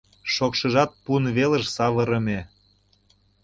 Шокшыжат пун велыш савырыме.